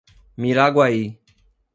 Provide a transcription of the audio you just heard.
Miraguaí